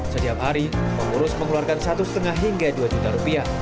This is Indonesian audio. setiap hari pengurus mengeluarkan satu lima hingga dua juta rupiah